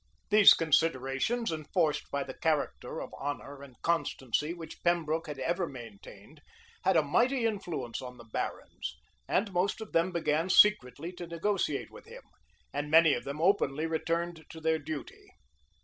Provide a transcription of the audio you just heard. [*] These considerations, enforced by the character of honor and constancy which Pembroke had ever maintained, had a mighty influence on the barons; and most of them began secretly to negotiate with him, and many of them openly returned to their duty.